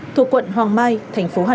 thuộc quận hoàng mai thành phố hà nội